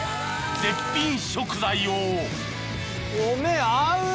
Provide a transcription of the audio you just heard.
［絶品食材を］